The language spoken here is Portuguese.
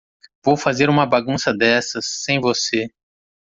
Vou fazer uma bagunça dessas sem você.